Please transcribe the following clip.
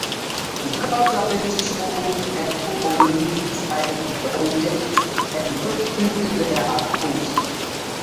Local surveys showed an overwhelming dislike of the objects, and questioned their cost.